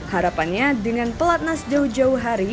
harapannya dengan pelatnas jauh jauh hari